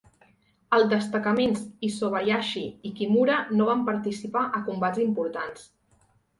El destacaments Isobayashi i Kimura no van participar a combats importants.